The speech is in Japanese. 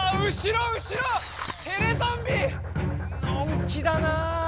のんきだなぁ。